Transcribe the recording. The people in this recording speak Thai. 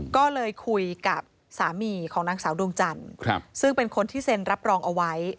ก็เลยคุยกับสามีของนางสาวดวงจันทร์ซึ่งเป็นคนที่เซ็นรับรองเอาไว้